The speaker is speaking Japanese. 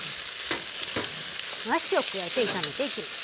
もやしを加えて炒めていきます。